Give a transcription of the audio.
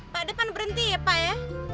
pak depan berhenti ya pak ya